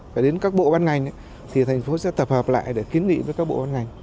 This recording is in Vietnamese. phải đến các bộ ban ngành thì thành phố sẽ tập hợp lại để kiến nghị với các bộ ban ngành